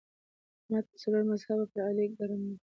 احمد په څلور مذهبه پر علي ګرم دی.